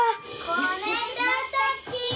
こねたたき！